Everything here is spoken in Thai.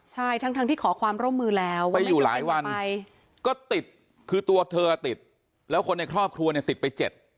ใช่ทั้งที่ขอความร่วมมือแล้วว่าไม่อยู่หลายวันก็ติดคือตัวเธอติดแล้วคนในครอบครัวในติดไป